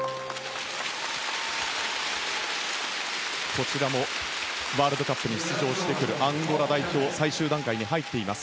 こちらもワールドカップに出場してくるアンゴラ代表最終段階に入っています。